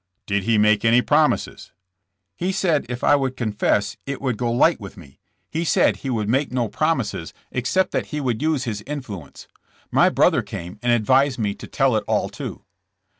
"Did he make any promises?" "He said if I would confess it would go light with me. He said he would make no promises ex 1 148 JESSB JAMES. cept that he would use his influence. My brother came and advised me to tell it all, too."